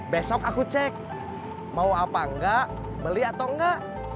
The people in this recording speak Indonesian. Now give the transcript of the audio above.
besok aku cek mau apa enggak beli atau enggak